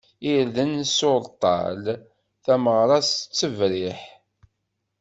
Irden s uṛeṭṭal, tameɣṛa s ttebriḥ.